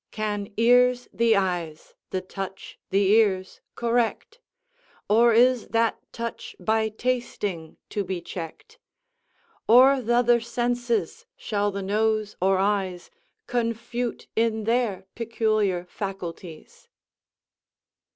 "Can ears the eyes, the touch the ears, correct? Or is that touch by tasting to be check'd? Or th' other senses, shall the nose or eyes Confute in their peculiar faculties?"